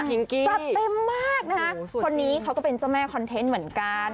พิ้งกี้ตัดเต็มมากนะฮะโหสวยจริงคนนี้เขาก็เป็นเจ้าแม่คอนเทนต์เหมือนกัน